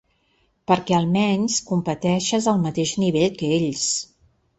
Perquè almenys competeixes al mateix nivell que ells.